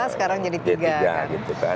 sekarang dulu dua sekarang jadi tiga